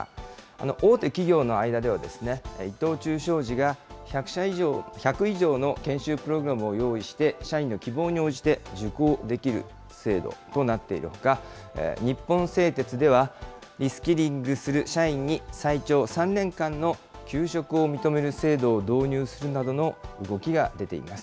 大手企業の間では、伊藤忠商事が１００以上の研修プログラムを用意して、社員の希望に応じて受講できる制度となっているほか、日本製鉄では、リスキリングする社員に最長３年間の休職を認める制度を導入するなどの動きが出ています。